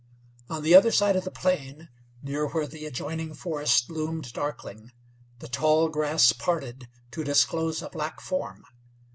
On the other side of the plain, near where the adjoining forest loomed darkling, the tall grass parted to disclose a black form.